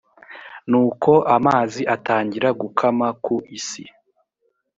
nuko amazi atangira gukama ku isi